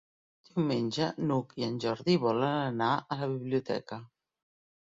Diumenge n'Hug i en Jordi volen anar a la biblioteca.